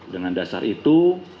dengan dasar itu